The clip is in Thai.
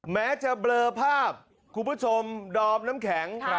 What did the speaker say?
แม้จะเบลอภาพคุณผู้ชมดอมน้ำแข็ง